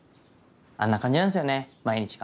あんな感じなんすよね毎日が。